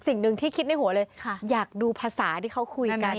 สิ่งหนึ่งที่คิดในหัวเลยอยากดูภาษาที่เขาคุยกัน